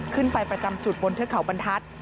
ประจำจุดบนเทือกเขาบรรทัศน์